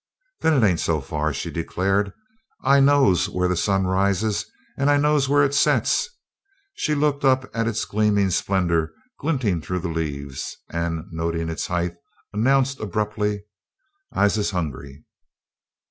"Then it ain't so far," she declared. "I knows where the sun rises, and I knows where it sets." She looked up at its gleaming splendor glinting through the leaves, and, noting its height, announced abruptly: "I'se hungry."